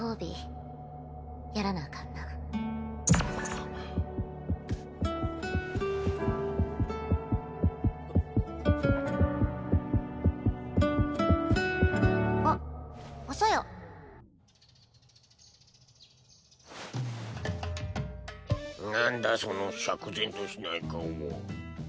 その釈然としない顔は。